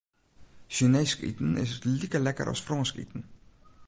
Sjineesk iten is like lekker as Frânsk iten.